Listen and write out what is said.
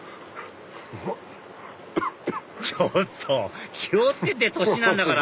ちょっと気を付けて年なんだから！